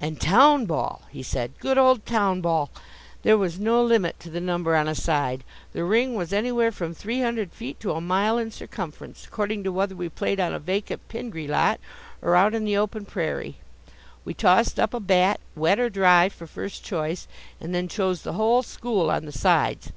"And town ball," he said, "good old town ball! There was no limit to the number on a side. The ring was anywhere from three hundred feet to a mile in circumference, according to whether we played on a vacant Pingree lot or out on the open prairie. We tossed up a bat wet or dry for first choice, and then chose the whole school on the sides.